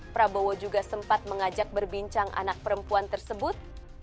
prabowo juga sempat mengajak berbincang anak perempuan tersebut